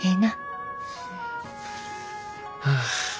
ああ。